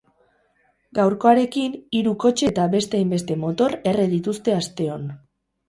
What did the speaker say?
Gaurkoarekin, hiru kotxe eta beste hainbeste motor erre dituzte asteon.